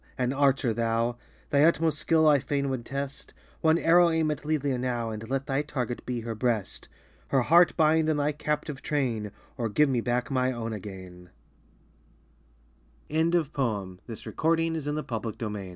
An archer thou ! Thy utmost skill I fain would test ; One arrow aim at Lelia now, And let thy target be her breast ! Her heart bind in thy captive train, Or give me back my own again 1 THE DREAM OF LOVE. I